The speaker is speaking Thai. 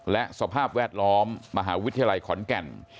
และสภาพแวดล้อมมหาวิทยาลัยขอนแก่น